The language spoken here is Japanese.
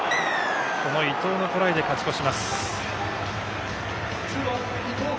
伊藤のトライで勝ち越します。